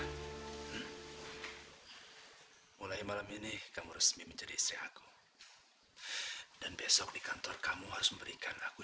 hai mulai malam ini kamu resmi menjadi istri aku dan besok di kantor kamu harus memberikan aku